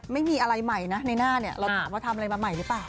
ไม่มีอะไรใหม่นะในหน้าเนี่ยเราถามว่าทำอะไรมาใหม่หรือเปล่า